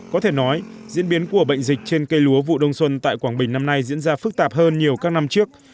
có thể nói diễn biến của bệnh dịch trên cây lúa vụ đông xuân tại quảng bình năm nay diễn ra phức tạp hơn nhiều các năm trước